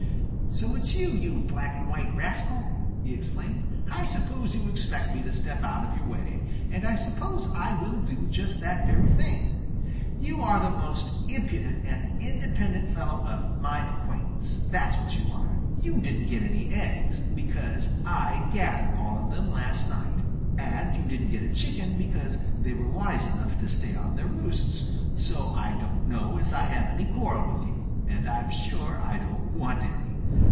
"So it's you, you black and white rascal!" he exclaimed. "I suppose you expect me to step out of your way, and I suppose I will do just that very thing. You are the most impudent and independent fellow of my acquaintance. That's what you are. You didn't get any eggs, because I gathered all of them last night. And you didn't get a chicken because they were wise enough to stay on their roosts, so I don't know as I have any quarrel with you, and I'm sure I don't want any.